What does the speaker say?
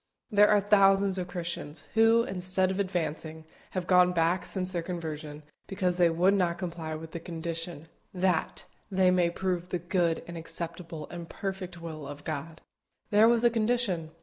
There are thousands of Christians, who, instead of advancing, have gone back since their conversion, because they would not comply with the condition, "THAT" they might prove the good, and acceptable, and perfect will of God. There was a condition.